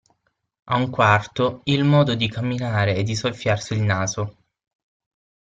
A un quarto il modo di camminare e di soffiarsi il naso.